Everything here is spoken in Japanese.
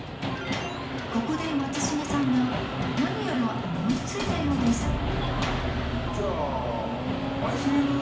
ここで松重さんが何やら思いついたようです